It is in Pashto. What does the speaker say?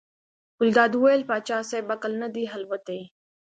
ګلداد وویل پاچا صاحب عقل نه دی الوتی.